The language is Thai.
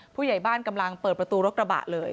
ผู้ใหญ่บ้านกำลังเปิดประตูรถกระบะเลย